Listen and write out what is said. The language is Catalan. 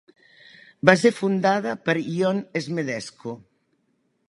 Va ser fundada per Ion Smedescu.